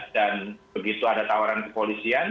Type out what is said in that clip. dan begitu ada tawaran kepolisian